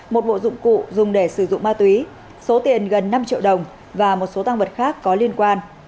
một bộ dụng cụ dùng để sử dụng ma túy số tiền gần năm triệu đồng và một số tăng vật khác có liên quan